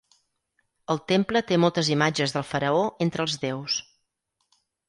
El temple té moltes imatges del faraó entre els déus.